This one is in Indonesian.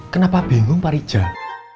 kenapa bingung pak rijal